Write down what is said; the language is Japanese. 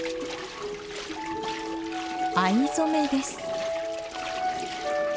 藍染めです。